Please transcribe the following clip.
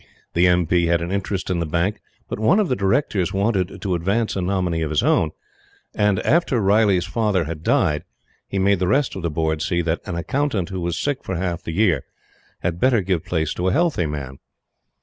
The M. P. had an interest in the Bank; but one of the Directors wanted to advance a nominee of his own; and, after Riley's father had died, he made the rest of the Board see that an Accountant who was sick for half the year, had better give place to a healthy man.